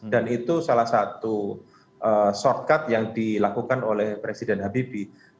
dan itu salah satu shortcut yang dilakukan oleh presiden habibie